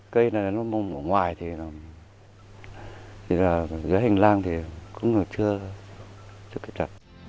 cây này nó mông ở ngoài thì là dưới hành lang thì cũng chưa chặt